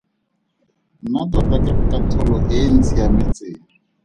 Nna tota ke katlholo e e ntshiametseng.